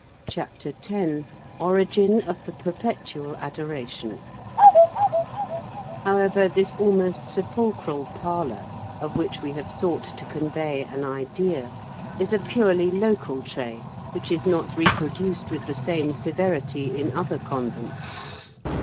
CHAPTER X—ORIGIN OF THE PERPETUAL ADORATION However, this almost sepulchral parlor, of which we have sought to convey an idea, is a purely local trait which is not reproduced with the same severity in other convents.